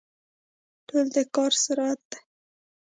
توان د کار سرعت دی.